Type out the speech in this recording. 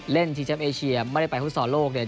เล่นทีชัมเอเชียมไม่ได้ไปฟุตซอร์โลกเนี่ย